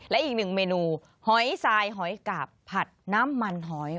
และอีกหนึ่งเมนูหอยทรายหอยกาบผัดน้ำมันหอย